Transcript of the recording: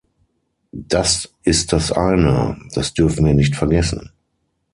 Das ist das eine, das dürfen wir nicht vergessen.